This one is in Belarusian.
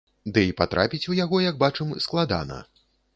Дый патрапіць у яго, як бачым, складана.